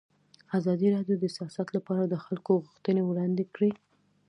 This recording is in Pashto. ازادي راډیو د سیاست لپاره د خلکو غوښتنې وړاندې کړي.